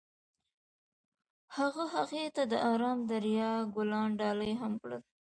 هغه هغې ته د آرام دریا ګلان ډالۍ هم کړل.